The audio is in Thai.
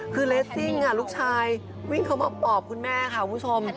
คือเลสซิ่งลูกชายวิ่งเข้ามาปอบคุณแม่ค่ะคุณผู้ชม